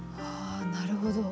なるほど。